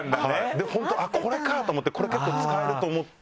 本当これか！と思ってこれ結構使えると思って。